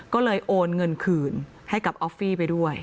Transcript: ก็เลยโอนเงินคืนให้กับออฟฟี่ไปด้วย